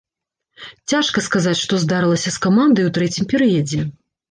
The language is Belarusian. Цяжка сказаць, што здарылася з камандай у трэцім перыядзе.